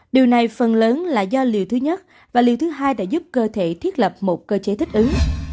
điều này phần lớn là do liều thứ nhất và liều thứ hai đã giúp cơ thể thiết lập một cơ chế thích ứng